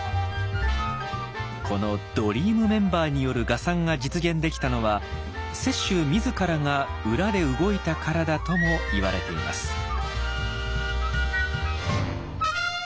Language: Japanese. このドリームメンバーによる画賛が実現できたのは雪舟自らが裏で動いたからだともいわれています。